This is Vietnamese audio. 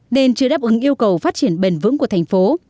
nên chưa đáp ứng yêu cầu phát triển bền vững của thành phố